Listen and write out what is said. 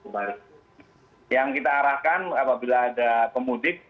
baik yang kita arahkan apabila ada pemudik